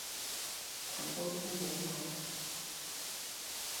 颱風天沒來